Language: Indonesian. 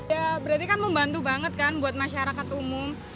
ya berarti kan membantu banget kan buat masyarakat umum